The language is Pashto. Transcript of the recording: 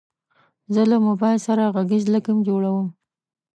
زه له موبایل سره غږیز لیک جوړوم.